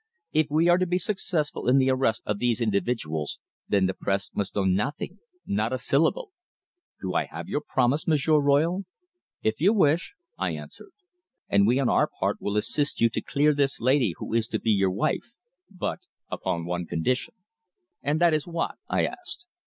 If we are to be successful in the arrest of these individuals, then the press must know nothing not a syllable. Do I have your promise, M'sieur Royle?" "If you wish," I answered. "And we on our part will assist you to clear this lady who is to be your wife but upon one condition." "And that is what?" I asked.